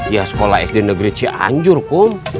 ya sekolah sd negeri cianjur pun